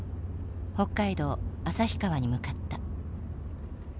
北海道旭川に向かった。